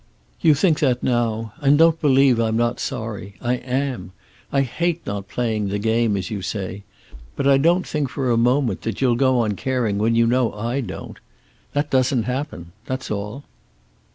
"You think that now. And don't believe I'm not sorry. I am. I hate not playing the game, as you say. But I don't think for a moment that you'll go on caring when you know I don't. That doesn't happen. That's all."